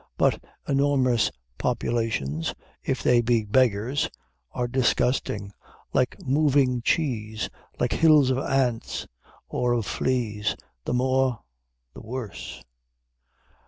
But enormous populations, if they be beggars, are disgusting, like moving cheese, like hills of ants or of fleas the more, the worse.